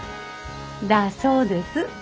だそうです。